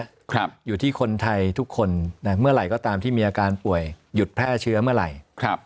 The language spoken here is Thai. ครับอยู่ที่คนไทยทุกคนนะเมื่อไหร่ก็ตามที่มีอาการป่วยหยุดแพร่เชื้อเมื่อไหร่ครับ